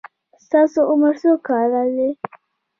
ستاسو عمر څو کاله دی؟